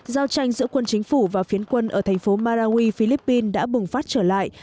giao tranh giữa quân chính phủ và phiến quân ở thành phố marawi philippines đã bùng phát trở lại